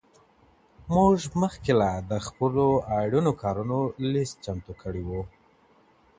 موږ مخکي لا د خپلو اړینو کارونو لست چمتو کړی و.